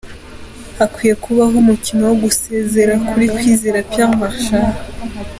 Hakwiye kubaho umukino wo gusezera kuri Kwizera Pierre Marshal.